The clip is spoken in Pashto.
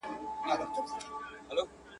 سفر د انسان تجربه زیاتوي